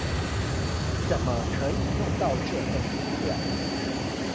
怎麼可以弄到這份資料